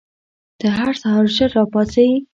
ته هر سهار ژر راپاڅې؟